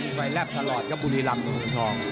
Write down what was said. ในไฟแลปตลอดกับบุรีลำเมืองท้อง